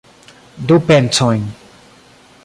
Du pencojn.